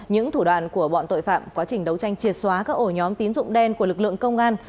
những thủ đoạn của bọn tội phạm quá trình đấu tranh triệt xóa các ổ nhóm tín dụng đen của lực lượng công an